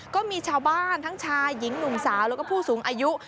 ก็มีชาวบ้านทั้งชายหญิงหนุ่มสาวแล้วก็ผู้สูงอายุ